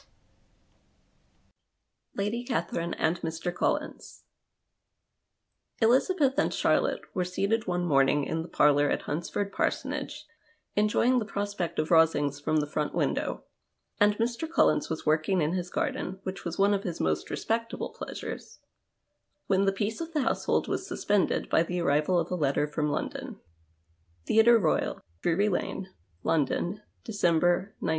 88 LADY CATHERINE AND MR. COLLINS EuzABETH and Charlotte were seated one morning in the parlour at Hunsford parsonage, enjoying the prospect of Rosings from the front window, and Mr. Collins was working in his garden, which was one of his most respectable pleasures, when the peace of the household was suspended by the arrival of a letter from London :—" Theatre Royal, Drury Lane, " London, December, 19 —